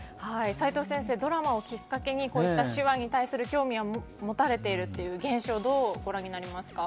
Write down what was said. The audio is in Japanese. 齋藤先生、ドラマをきっかけにこういった手話に対する興味を持たれている現象をどうご覧になりますか？